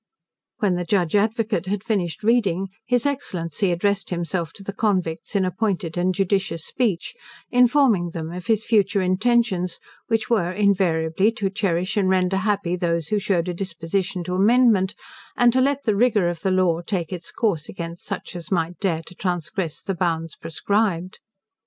When the Judge Advocate had finished reading, his Excellency addressed himself to the convicts in a pointed and judicious speech, informing them of his future intentions, which were, invariably to cherish and render happy those who shewed a disposition to amendment; and to let the rigour of the law take its course against such as might dare to transgress the bounds prescribed.